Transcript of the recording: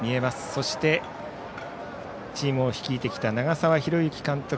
そして、チームを率いてきた長澤宏行監督。